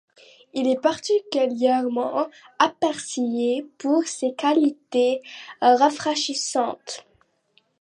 Il est particulièrement apprécié pour ses qualités rafraîchissantes.